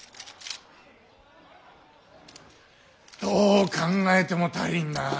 どう考えても足りんな。